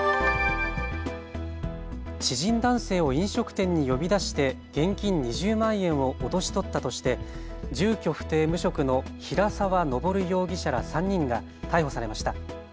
知人男性を飲食店に呼び出して現金２０万円を脅し取ったとして住居不定、無職の平澤昇容疑者ら３人が逮捕されました。